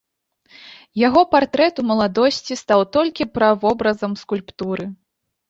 Яго партрэт у маладосці стаў толькі правобразам скульптуры.